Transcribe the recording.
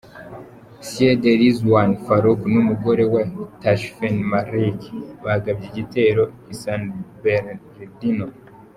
Syed Rizwan Farook n’umugore we Tashfeen Malik bagabye igitero i San Bernardino.